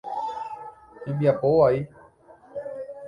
Hembiapo vai.